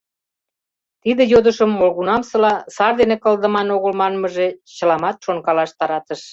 Тиде йодышым молгунамсыла сар дене гына кылдыман огыл манмыже чыламат шонкалаш таратыш.